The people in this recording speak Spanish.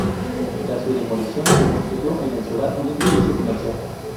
Tras su demolición, se construyó en el solar un edificio comercial.